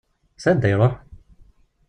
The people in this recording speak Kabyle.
S anda iruḥ?